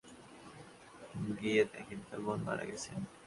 খবর পেয়ে তিনি বোনের বাসায় গিয়ে দেখেন, তাঁর বোন মারা গেছেন।